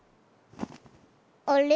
あれ？